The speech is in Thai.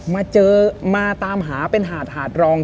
มาเจอมาตามหาเป็นหาดหาดรอง